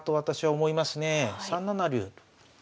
３七竜。